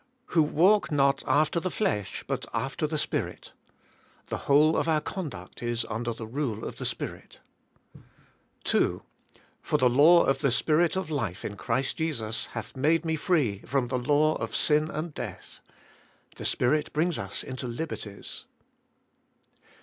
"Who walk not after the flesh but after the Spirit. " The whole of our conduct is under the rule of the Spirit. 2. "For the law of the Spirit of life in Christ Jesus hath made Tne free from the law of sin and death." The Spirit bring s us into liberties.